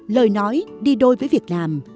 lời nói đi đôi với việc làm